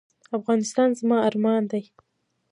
افغانستان زما ارمان دی